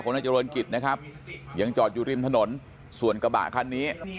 นายเจริญกิจนะครับยังจอดอยู่ริมถนนส่วนกระบะคันนี้